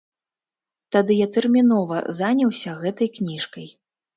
Тады я тэрмінова заняўся гэтай кніжкай.